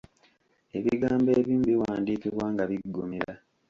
Ebigambo ebimu biwandiikibwa nga biggumira.